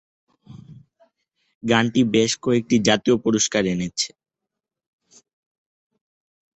গানটি বেশ কয়েকটি জাতীয় পুরস্কার এনেছে।